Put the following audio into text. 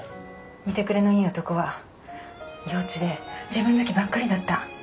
見てくれのいい男は幼稚で自分好きばっかりだった。